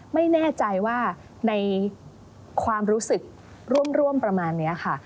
ไม่แน่ใจว่าในความรู้สึกร่วมประมาณนี้ค่ะ